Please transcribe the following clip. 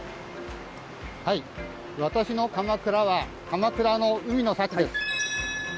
「わたしの鎌倉」は鎌倉の海の幸です。